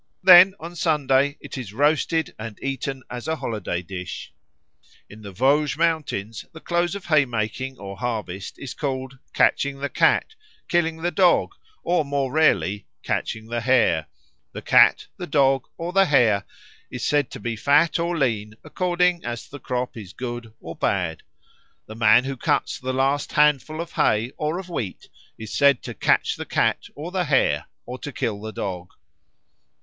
Then on Sunday it is roasted and eaten as a holiday dish. In the Vosges Mountains the close of haymaking or harvest is called "catching the cat," "killing the dog," or more rarely "catching the hare." The cat, the dog, or the hare is said to be fat or lean according as the crop is good or bad. The man who cuts the last handful of hay or of wheat is said to catch the cat or the hare or to kill the dog.